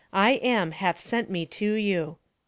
I AM hath sent me unto you."